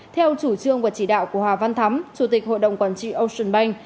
theo chủ trương và chỉ đạo của hà văn thắm chủ tịch hội đồng quản trị ocean bank